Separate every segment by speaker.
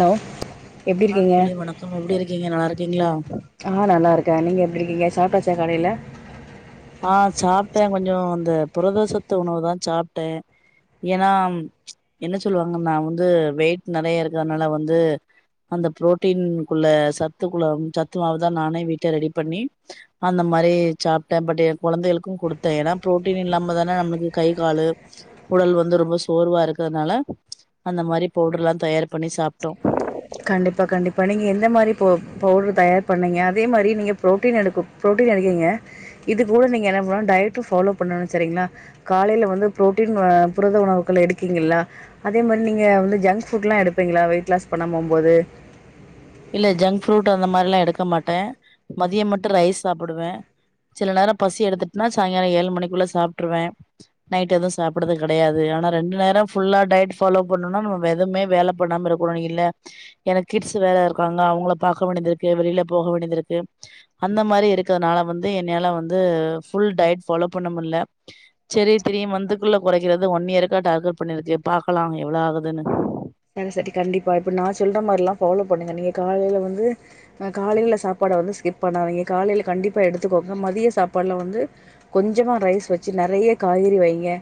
Speaker 1: hello எப்டி
Speaker 2: ஆண்
Speaker 1: இருக்கீங்க
Speaker 2: தலி வணக்கம் எப்படி இருக்கீங்க நல்லா இருக்கீங்களா
Speaker 1: இருக்க நீங்க எப்படி இருக்கீங்க சாப்டச்சாக் காலையில
Speaker 2: ஆஹ் சாப்பிட்டேன் கொஞ்சம் அந்த புரத சத்து உணவு தான் சாப்பிட்டேன் ஏன்னா என்ன சொல்லுவாங்க நான் வந்து வெயிட் நிறைய இருக்கிறதுனால வந்து அந்த புரோட்டீனக்குள்ள சத்துக்குள்ள சத்துமாவதான் நானே வீட்டை ரெடி பண்ணி அந்த மாதிரி சாப் பட் கொழந்தேளுக்கும் கொடுத்தேன் ஏன்னா ப்ரோட்டீன் இல்லாமல் தான நம்ளுக்கு கை காலு உடல் வந்து ரொம்ப சோர்வா இருக்கிறதுனால அந்த மாரி பவுடர்லாம் தயார் பண்ணி சாப்ட்டோம்
Speaker 1: கண்டிப்பா கண்டிப்பா நீங்க எந்த மாரி போ பவுடர் தயார் பண்ணீங்க அதே மாரி நீங்க ப்ரோடின் எடுக்கக் ப்ரோடின் எடுக்ரிங்க இது கூட நீங்க என்ன பண்றீங்க டயட்டும் ஃபாலோ பன்னனும் சரிங்களா காலேல புரோட்டீன் புரத உணவுகள் எடுக்குரிங்ளா அதே மாரீ நீங்க ஜங் புட் எல்லா வெயிட் லஸ் பண்ணாம [unintelligible]
Speaker 2: இல்ல ஜங்க் ஃப்ரூட் அந்த மாரில்லாம் எடுக்க மாட்டேன் மதியம் மட்டும் ரைஸ் சாப்பிடுவேன் சில நேரம் பசி எடுத்துட்டுனா சாய்ங்காலம் ஏழு மணிக்குள்ள சாப்பிருவேன் நைட் எதுவும் சாப்படுது கிடையாது ஆனா ரெண்டு நேரம் ஃபுல்லா டயட் ஃபாலோ பண்ணும்னா நம்ம எதுவுமே வேலை பண்ணாம இருக்கணும் இல்ல எனக்கு கிட்ஸ் வேலை இருக்கு பாங்க அவங்கள பாக்க வேண்டியதிருக்கு வெளில போக வேண்டியதிருக்கு அந்த மாரி இருக்கிறதுனால வந்து என்னால வந்து ஃபுல் டயட் ஃபாலோ பண்ண முடியல சரி தரிய வந்னதுக்குள்ள குறைக்கிறது ஒன் இயர்கக்கா டார்கெட் பண்ணிருக்கு பாக்கலாம் எவ்வளோ ஆகுதுன்னு
Speaker 1: சரி சரி கண்டிப்பா இப்ப நான் சொல்ற மாரில்லாம் ஃபாலோ பண்ணுங்க நீங்க காலையில வந்துஹ் காலையில சாப்பாடை வந்து ஸ்கிப் பண்ணாதீங்க காலையில கண்டிப்பா எடுத்துக்கோங்க மதிய சாப்பாடுல வந்து கொஞ்சமா ரைஸ் வச்சு நெறைய காய்கறி வைங்க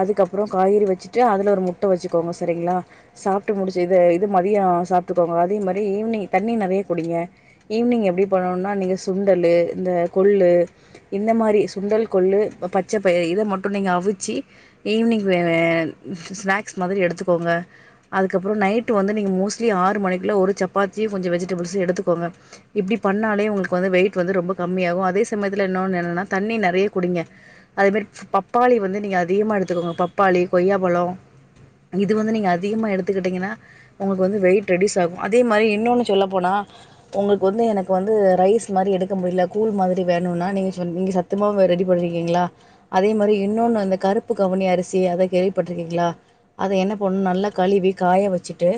Speaker 1: அதுக்கப்புறம் காய்கறி வச்சுட்டு அதுல ஒரு முட்டை வச்சுக்கோங்க சரிங்ளா சாப்ட்டு முடிச்சி இதை இது மதியம் சாப்ட்டுக்கோங்க அதே மாரி ஈவி்னிங் தண்ணி நறைய குடிங்க ஈவினிங் எப்டி பண்ணும்னா நீங்க சுண்டலு இந்த கொள்ளு இந்த மாதிரி சுண்டல் கொள்ளு பச்சை பயிர் இதை மட்டும் நீங்கள் அவிச்சு ஈவினிங் ஸ்நாக்ஸ் மாதிரி எடுத்துக்கோங்க அதுக்கப்புறம் நைட்டு வந்து நீங்கள் மோஸ்ட்லி ஆறு மணிக்குள்ள ஒரு சப்பாத்தியும் கொஞ்சம் வெஜிடபிள்ஸும் எடுத்துக்கோங்க இப்படி பண்ணாலே உங்களுக்கு வந்து வெயிட் வந்து ரொம்ப கம்மியாகும் அதே சமயத்தில் என்னொன்று என்னன்னா தண்ணி நிறைய குடிங்க அதேமாரி பப்பாளி வந்து நீங்க அதிகமாக எடுத்துக்கோங்க பப்பாளி கொய்யா பழம் இது வந்து நீங்க அதிகமாக எடுத்து த்து கிட்டிங்னா உங்களுக்கு வந்து வெய்ட் ரெடியூஸ் ஆகும் அதே மாறி இன்னோனு சொல்ல போன உங்களுக்கு வந்து எனக்கு வந்து ரைஸ் மாரி எடுக்க முடில கூல் மாதிரி வேணுனா நீங்க சொன் நான் சத்துமாவு ரெடி பன்னி கருப்பு கவனி அரிசி அத கேள்வி பட்டுறிக்கிங்ளா என்ன பண்ணனும் நல்லா கழுவி காய வச்சுட்டு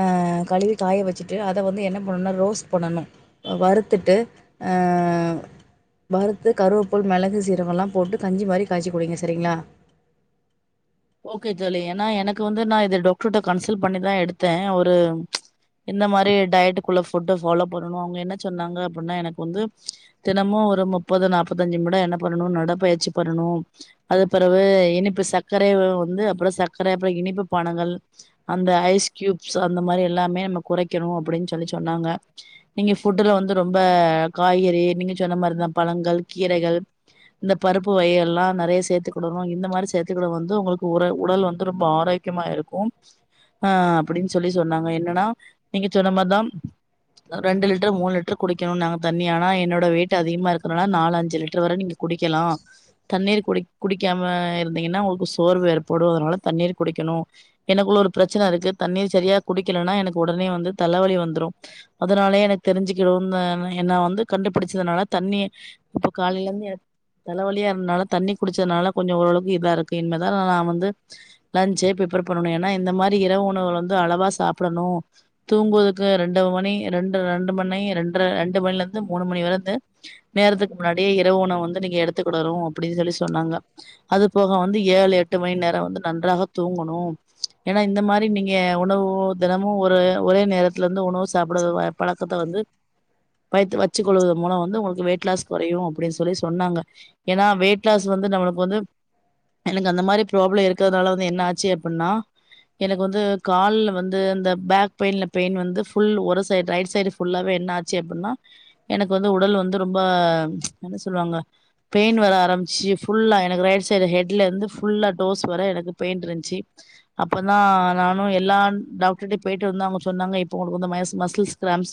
Speaker 1: ஆ கழுவி காய வச்சுட்டு அதை வந்து என்ன பண்ணனா ரோஸ்ட் பண்ணணும் வறுத்துட்டு ஆவறுத்து கருவேப்பூ மெளகு சீரகம்லாம் போட்டு கஞ்சி மாதிரி காய்ச்சி குடிங்க சரிங்களா
Speaker 2: ஓகே தோழி ஏன்னா எனக்கு வந்து நான் இது டொக்டர்கிட்ட கன்சல்ட் பண்ணிதான் எடுத்தேன் ஒரு இந்த மாரி டயக்குள்ள புட் ஃபாலோ பண்ணனும் அவங்க என்ன சொன்னாங்க அப்படின்னா எனக்கு வந்து தினமும் ஒரு முப்பது நாப்பத்த அஞ்சு முற என்ன பண்ணணும் நடப்பயிற்சி பண்ணணும் அது பெறவு இனிப்பு சக் சர்க்கரை வந்து அப்புறம் சர்க்கரை அப்புறம் இனிப்பு பானங்கள் அந்த ஐஸ் க்யூப்ஸ் அந்த மாரி எல்லாமே நம்ம குறைக்கணும் அப்டின்னு சொல்லி சொன்னாங்க நீங்க ஃபுட்டு்ல வந்து ரொம்ப காய்கறி நீங்க சொன்ன மாதிரிதான் பழங்கள் கீரைகள் இந்த பருப்பு வகை எல்லாம் நிறைய சேர்த்துக்கடணும் இந்த மாதிரி சேத்து வந்து உங்களுக்கு உ உடல் வந்து ரொம்ப ஆரோக்கியமா இருக்கும் ஹ அப்படின்னு சொல்லி சொன்னாங்க என்னன்னா நீங்க சொன்ன மாதான் ரெண்டு லிட்ரு மூணு லிட்ரு குடிக்கணும் தண்ணிய ஆனா என்னோட வெயிட் அதிகமா இருக்ரதால நாலுஞ்சு லிட்டர் வரை நீங்க குடிக்கலாம் தண்ணீர் குடிக்காம உங்களுக்கு சோர்வு ஏற்படும் அதனால தண்ணீர் குடிக்கணும் எனக்குள்ள ஒரு பிரச்சனை இருக்கு தண்ணீர் சரியா குடிக்கலனா எனக்கு உடனே வந்து தலைவலி வந்துடும் அதனாலே எனக்கு தெரிஞ்சுக்கிடும் வந்து கண்டுபிடிச்சதுனால தண்ணி இப்ப காலையில இருந்து தலைவலியா இருந்தால தண்ணி குடிச்சதுனால கொஞ்சம் ஓரளவுக்கு இதா இருக்கு இனிமதான் நான் வந்து லஞ்சு பிப்பேர் பண்ணணும் ஏன்னா இந்த மாரி இரவு உணவு வந்து அழவா சாப்பிடணும் தூங்குவதுக்கு ரெண்டு மணி ரெண்டு ரெண்டு மணி ரெண்டு ரெண்டு மணில இருந்து மூணு மணி வரைந்து நேரத்துக்கு முன்னாடியே இரவு உணவு வந்து நீங்க எடுத்துக்கடறரும் அப்படின்னு சொல்லி சொன்னாங்க அது போக வந்து ஏழு எட்டு மணி நேரம் வந்து நன்றாக தூங்கணும் ஏன்னா இந்த மாரி நீங்க உணவு தினமும் ஒரு ஒரே நேரத்துல இருந்து உணவு சாப்பிடற பழக்கத்தை வந்து வை வச்சுக்க கொள்வத மூலம் வந்து உங்களுக்கு வெயிட் லாஸ் குறையும் அப்படின்னு சொல்லி சொன்னாங்க ஏன்னா வெயிட் லாஸ் வந்து நம்மளுக்கு வந்து எனக்கு அந்த மாதிரி ப்ராப்ளம் இருக்கிறதுனால வந்து என்ன ஆச்சு அப்படின்னா எனக்கு வந்து கால்ல வந்து இந்த பேக் பெயின்ல பெயின் வந்து ஃபுல் ஒரு சைடு ரைட் சைடுபுல்லாவே என்ன ஆச்சு அப்படின்னா எனக்கு வந்து உடல் வந்து ரொம்ப என்ன சொல்லுவாங்க பெயின் வர ஆரம்பிச்சுல்லா எனக்கு ரைட் [unintelligible] ஹெட் இருந்து புல்லா டோஸ் வரை எனக்கு பெயின் இருந்ச்சி அப்பதா நானு எல்லா டாக்டர் கிட்ட போய்ட்டுருந்தாங்க சொன்னாங்க இப்போ மசு-மசுல்ஸ் கிராம்ஸ்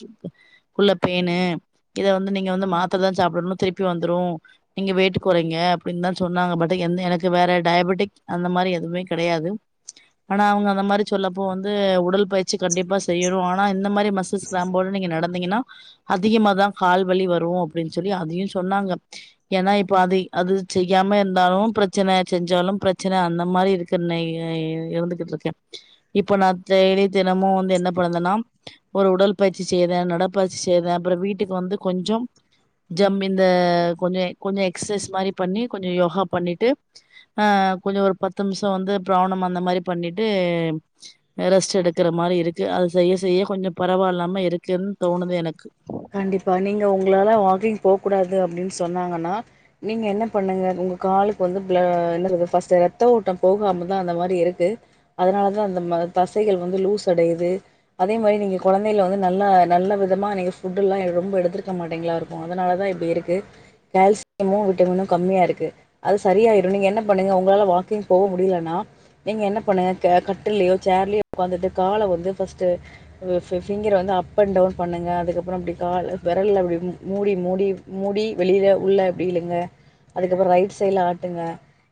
Speaker 2: குள்ள பெயினு இத வந்து நீங்க வந்து மாத்திர தா சாப்பிடன்னு திருப்பி வந்துரு நீங்க வெயிட் குறைங்க அப்டின்தா சொன்னாங்க ப எந்த எனக்கு வேற டயபெடிக் அந்த மாதிரி எதுவுமே கிடையாது ஆனா அவங்க அந்த மாதிர சொல்லப்போ வந்து உடல் பயிற்சி கண்டிப்பா செய்யரோ ஆனா இந்த மாரி மசுல்ஸ் கிராம் [unintelligible] நீங்க நடந்தீங்கன்னா அதிகமாதான் கால்வலி வரு அப்டின்னு சொல்லி அதையு சொன்னாங்க ஏன்னா இப்ப அதை-அது செய்யாம இருந் ருந்தாலு பிரச்சன செஞ்சாலும் பிரச்சன அந்த மாரி இருக்கர்னே இருந்துகிட்டு இருக்கேன் இப்ப நா டெய்லி தினமும் வந்து என்ன பண்ணேன்னா ஒரு உடல் பயிற்சி செய்றேன் நடப்பயிற்சி செய்றேன் அப்புறம் வீட்டுக்கு வந்து கொஞ்சம் ஜம் இந்த கொஞ்ச-கொஞ்ச எக்சைஸ் மாரி பண்ணி கொஞ்சம் யோகா பண்ணிட்டு அஹ் கொஞ்ச ஒரு பத்து நிமிஷ வந்து பிராணம் அந்த மாரி பண்ணிட்டு ரெஸ்ட் எடுக்கிறமாரி இருக்கு அதை செய்ய-செய்ய கொஞ்சம் பரவாயில்லாம இருக்குன் தோணுது எனக்கு
Speaker 1: கண்டிப்பா நீங்க உங்களால வாக்கிங் போ கூடாது அப்டின்னு சொன்னாங்கன்னா நீங்க என்ன பண்ணுங்க உங்க காலுக்கு வந்து பில என்னதது பர்ஸ்ட் ரத்த ஓட்டம் போகாமதா அந்த மாரி இருக்கு அதனாலதான் அந்த தசைகள் வந்து லூஸ் அடையுது அதே மாரி நீங்க குழந்தைல வந்து நல்லா நல்ல விதமா நீங்க ஃபுட்டெல்லா ரொம்ப எடுத்துருக்க மாட்டேங்களா இருக்கும் அதனால தா இப்படி இருக்கு கால்சியமும் விட்டமினு கம்மியாக இருக்கு அது சரியாயிடும் நீங்க என்ன பண்ணுங்க உங்களால வாக்கிங் போக முடியலனா நீங்க என்ன பண்ணுங்க க-கட்டுல்லயோ சேர்லேயோ உட்காந்துட்டு கால வந்து ஃபஸ்ட்டு உங்க பி-ஃபிங்கரை வந்து அப் அண்ட் டவுன் பண்ணுங்க அதுக் அப்புறம் இப்டி கால்ல விரல்ல அப்படி மூடி மூடி மூடி வெளியில உள்ள அப்படி இழுுங்க அதுக்கப்புறம் ரைட் சைட்ல ஆட்டுங்க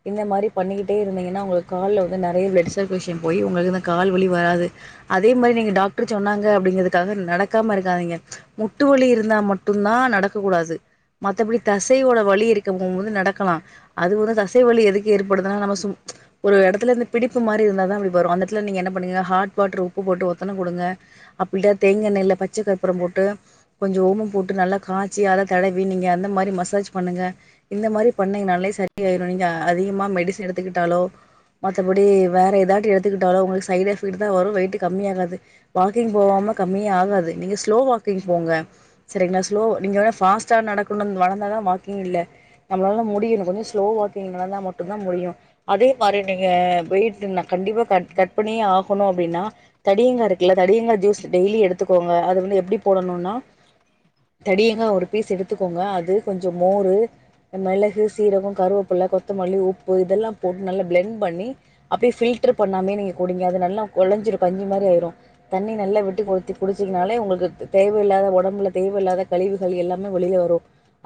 Speaker 1: இந்த மாதிரி பண்ணிக்கிட்டே இருந்தீங்கன்னா உங்களுக்கு கால வந்து நிறைய பிளட் சர்க்குலேஷன் போய் உங்களுக்கு கால் வழி வராது அதே மாதிரி நீங்க டாக்டர் சொன்னாங்க அப்ப்டடிங்கிறதுக்காக நடக்காம இருக்காதீங்க முட்டுவலி இருந்தா மட்டும்தா நடக்கக்கூடாது மத்தபடி தசையோட வலி இருக்க போம்போது நடக்கலா அது ஒரு தசைவலி எதுக்கு ஏற்படுதுனா நாம சு ஒரு இடத்துல இருந்து பிடிப்பு மாரி இருந்தாதா அப்டி வரும் அந்த இடல நீங்க என்ன பண்ணுங்க ஹாட் வாட்டர் உப்பு போட்டு ஒத்தன குடுங்க அப்புல்ட தேங்க எண்ணெய்ல பச்சைகற்புரம் போட்டு கொஞ்ச ஓமம் போட்டு நல்லா காய்ச்சி அத தடவி நீங்க அந்த மாரி மசாஜ் பண்ணுங்க இந்த மாதிரி பண்ணீங்கனாலே சரியாயிரும் நீங்க அதிகமா மெடிசன் எடுத்துக்கிட்டாலோ மத்தபடி வேற ஏதாட்டி எடுத்துக்கிட்டாலோ உங்களுக்கு சைட் எஃபெக்ட் தா வரும் வெயிட் கம்மியாகாது வாக்கிங் போவாம கம்மியே ஆகாது நீங்க ஸ்லோ வா வாக்கிங் போங்க செரிங்களா ஸ்லோ நீங்க ஃபஸ்ட்டா நடக்கணு வளந்தாதான் வாக்கிங் இல்ல நம்மளால முடியணும் கொஞ்ச ஸ்லோ வாக்கிங் நடந்தா மட்டுதா முடியும் அதே மாரி நீங்க வெயிட் நா கண்டிப்பா கட்-கட் பண்ணியே ஆகணு அப்டின்னா தடியங்காய் இருக்குல்ல தடியங்காய் ஜூஸ் டெய்லி எடுத் துக்கோங்க அது வந்து எப்டி போடணும்னா தடியங்கா ஒரு பீஸ் எடுத்துக்கோங்க அது கொஞ்சம் மோரு மிளகு சீரகம் கருவேப்பிள்ள கொத்தமல்லி உப்பு இதெல்லாம் போட்டு நல்லா பிளண்ட் பண்ணி அப்டியே ஃபில்டர் பண்ணாமே நீங்க குடிங்க அது நல்லா கொலஞ்சி கஞ்சி மாரி ஆயிரும் தண்ணி நல்லா விட்டு கொத்தி குடிச்சக்கனாலே உங்களுக்கு தேவையில்லாத உடம்புல தேவையில்லாத கழிவுகள் எல்லாமே வெளில வரு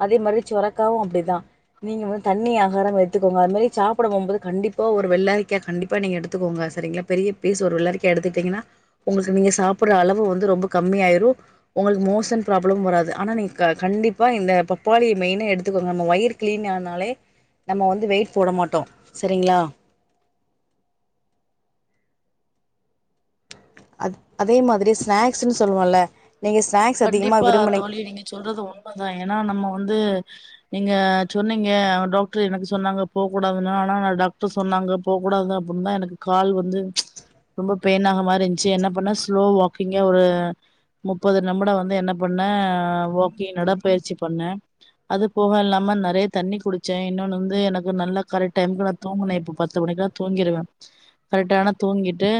Speaker 1: அதே மாரி சுரக் காவும் அப்டிதான் நீங்க வந்து தண்ணி ஆகாரம் எ எடுத்துக்கோங்க அது மாரி சாப்பிட போம்போது கண்டிப்பா ஒரு வெள்ளரிக்கா கண்டிப்பா நீங்க எடுத்துக்கோங்க சரிங்களா பெரிய பீஸ் ஒரு வெள்ளரிக்கா எடுத்துக்கிட்டீங்கன்னா உங்களுக்கு நீங்க சாப்பிட்ற அளவு வந்து ரொம்ப கம்மியாயிரு உங்களுக்கு மோசன் ப்ராப்ளம் வராது ஆனா நீங்க க-கண்டிப்பாக இந்த பப்பாளி மெயினா எடுத்துக்கோங்க நம்ம வயிரு கிளீன் ஆனாலே நம்ம வந்து வெயிட் போட மாட்டோம் செரிங்களா அது-அதே மாரி ஸ்நாக்ஸ்ன்னு சொல்லுவோம்ல நீங்க ஸ்நாக்ஸ் அதிகமா
Speaker 2: கண்டிப்பா
Speaker 1: விரும்பினி
Speaker 2: தோழி நீங்க சொல்றது உண்மதா ஏன்னா நம்ம வந்து நீங்க சொன்னீங்க டாக்டர் எனக்கு சொன்னாங்க போ கூடாதுன்னா ஆனா நான் டாக்டர் சொன்னாங்க போக கூடாது அப்டின்ன எனக்கு கால் வந்து ரொம்ப பெயின் ஆக மாரி இரு சி என்ன பன்ன ஸ்லோ வாக்கிங்க ஒரு முப்பது நம்பட வந்து என்ன பண்ண வாக்கிங் நடைப்பயிற்சி பண்ணே அது போக இல்லாம நெறைய தண்ணி குடிச்சே இன்னொன்னு வந்து எனக்கு நல்ல கரெக்ட் டைம் தூங்கினே பத்து மணிக்குலா தூங்கிடுவே கரெக்டான தூங்கிட்டு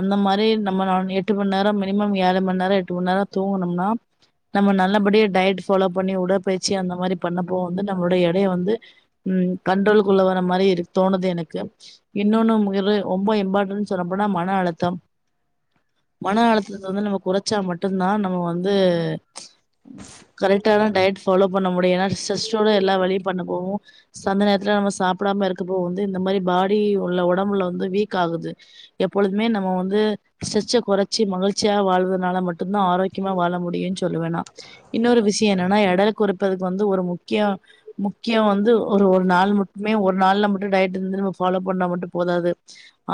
Speaker 2: அந்த மாரி [unintelligible] எட்டு மணி நேரம் மினிமம் ஏழு மணி நேரம் எட்டு மணி நேரம் தூங்கணும்னா நம்ம நல்லபடியே டயட் ஃபாலோ பண்ணி உடற்பயிற்சி அந்த மாரி பண்ணப்போ வந்து நம்முடைய எடைய வந்து உம் கண்ட்ரோல்குள்ள வர மாரி தோணுது எனக்கு இன்னொன்னு இரு ரொம்ப இம்பார்டன்னு சொன்னப்போனா மன அழுத்தம் மன அழுத்தத்தை வந்து நம்ம குறைச்சா மட்டும்தா நம்ம வந்து கரெக்டான டயட் ஃபாலோ பண்ண முடியிலான ஸ்ட்ரெஸ்ஸோட எல்லா வேலயு பண்ண போவு அந்த நேரத்துல நம்ம சாப்பிடாம இருக்கப்போ வந்து இந்த மாரி பாடி உள்ள உடம்புல வந்து வீக் ஆகுது எப்பொலுதுமே நம்ம வந்து ஸ்ட்ரெச்ச குறைச்சி மகிழ்ச்சியா வாழ்வததுனால மட்டுதான் ஆரோக்கியமா வாழ முடியும் சொல்லுவே நா இன்னொரு விஷய என்னன்னா எடை குறைப்பதுக்கு வந்து ஒரு முக்கிய-முக்கியம் வந்து ஒரு-ஒரு நாள் மட்டுமே ஒரு நாள்ல மட்டும் டயட் இருந்து நம்ம ஃபாலோ பண்ணா மட்டும் போதாது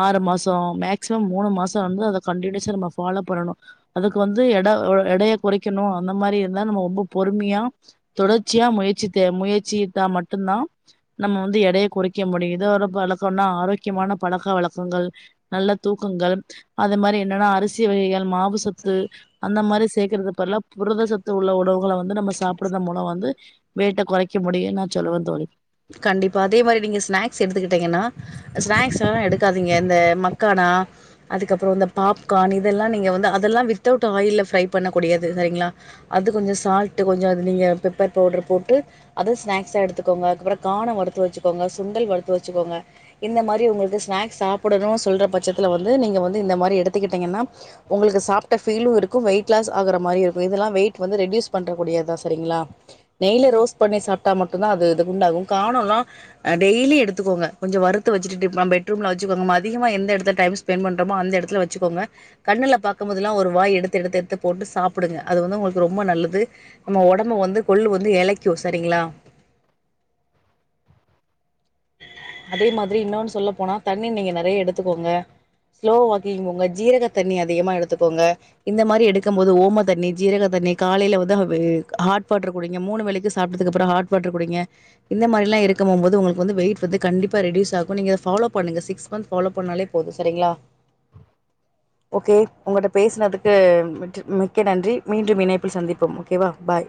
Speaker 2: ஆறு மாசம் மேக்சிமம் மூணு மாசம் [unintelligible] கன்டினுஸ நம்ப பலோவ் பண்ணணு அதுக்கு வந்து எட எடையை குறைக்கணு அந்த மாரி இருந்தா நம்ம ரொம்ப பொறுமியா தொடர்ச்சியா முயற்சி தே முயற்சிட்டா மட்டுந்தா நம்ம வந்து எடைய குறைக்க முடியும் இதோட பழக்கன்னா ஆரோக்கியமான பழக்க வழக்கங்கள் நல்ல தூக்கங்கள் அது மாரி என்னன்னா அரிசி வகைகள் மாவு சத்து அந்த மாரி சேர்க்கறது பதிலா புரதசத்து உள்ள உணவுகள வந்து நம்ம சாப்பிட மூலம் வந்து வைட்ட குறைக்க முடியும்ன்னு நான் சொல்லுவேன் தோழி
Speaker 1: கண்டிப்பா அதே மாரி நீங்க ஸ்நாக்ஸ் எடுத்துக்கிட்டீங்கன்னா ஸ்நாக்ஸ்லா எடுக்காதீங்க இந்த ம க்கானா அதுக்கப்பறோ இந்த பாப்கான் இதெல்லா நீங்க வந்து அதெல்லா வித்தவுட் ஆயில்ல ஃபிரை பண்ணக்கூடியது சரிங்களா அது கொஞ்ச சால்ட் கொஞ்ச அது நீங்க பெப்பர் பவுடர் போட்டு அத ஸ்நாக்ஸா எடுத்துக்கோங்க கான வரத்து வச்சுக்கோங்க சுண்டல் வரத்து வச்சுக்கோங்க இந்த மாரி உங்களுக்கு ஸ்நாக்ஸ் சாப்பிடணு சொல்ற பட்சத்துல வந்து நீங்க வந்து இந்த மாதிரி எடுத்துக்கிட்டீங்கன்னா உங்களுக்கு சாப்ட்ட ஃபீலு இருக்கும் வெயிட் லாஸ் ஆகுற மாரி இருக்கும் இதெல்லா வெயிட் வந்து ரெடியூஸ் பண்றக்கூடியதா சரிங்களா நெய்ல ரோஸ்ட் பண்ணி சாப்ட்டா மட்டுந்தா அது இது குண்டாகும் கானோலாம் டெய்லி எடுத்துக்கோங்க கொஞ்ச வறுத்து வச்சிட்டு பெட்ரூம்ல வச்சுக்கோங்க அதிகமா எந்த இடத்த டைம் ஸ்பெண்ட் பண்றோமோ அந்த இடத்துல வச்சுக்கோங்க கண்ணுல பார்க்கும் போதேல்லாம் ஒரு வாய் எடுத்து-எடுத்து-எடுத்து போட்டு சாப்பிடுங்க அது வந்து உங்களுக்கு ரொம்ப நல்லது நம்ம உடம்பு வந்து கொள்ளு வந்து இளைக்கு சரிங்களா அதே மாதிரி இன்னொன்னு சொல்ல போனா தண்ணி நீங்க நெறைய எடுத்துக்கோங்க ஸ்லோ வாக்கிங் உங்க ஜீரக தண்ணி அதிகமா எடுத்துக்கோங்க இந்த மாரி எடுக்கும் போது ஓம தண்ணி ஜீரக தண்ணி காலையில வந்து ஹாட் வாட்டர் குடிங்க மூணு வேலைக்கு சாப்டத்துக்கு அப்புறம் ஹாட் வாட்டர் குடிங்க இந்த மாரிலா இருக்கும் போம்போது உங்களுக் வந்து வெயிட் வந்து கண்டிப்பா ரெடியூஸ் ஆகும் நீங்க பாலோ பண்ணுங்க சிக்ஸ் மந்த் பாலோ பண்ணலே போதும் சரிங்களா ஓகே உங்கட்ட பேசுனத்துக்கு மிக்க-மிக்க நன்றி மீண்டும் இணைப்பில் சந்திப்போம் ஓகே வா பாய்